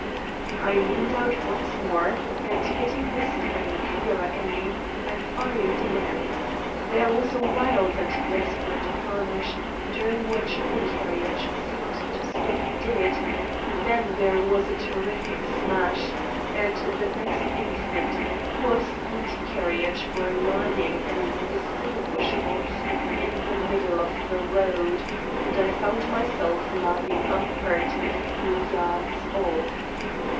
I leaned out once more and, getting this time a clearer aim, I fired again. There was a wild and desperate plunge, during which the carriage seemed to stop dead, then there was a terrific smash, and the next instant horse and carriage were lying in an indistinguishable heap in the middle of the road; and I found myself lying unhurt a few yards off.